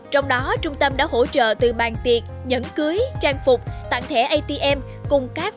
trong đó trung tâm đã hỗ trợ từ bàn tiệc nhẫn cưới trang phục tặng thẻ atm cùng các